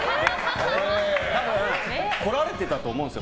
多分来られてたと思うんですよ